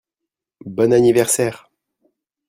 Bon anniverssaire !